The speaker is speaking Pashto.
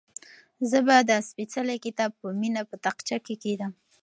زه به دا سپېڅلی کتاب په مینه په تاقچه کې کېږدم.